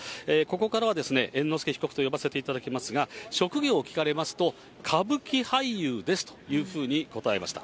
ここからは、猿之助被告と呼ばせていただきますが、職業を聞かれますと、歌舞伎俳優ですというふうに答えました。